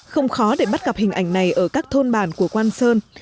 không khó để bắt gặp hình ảnh này ở các thôn bản của quan sơn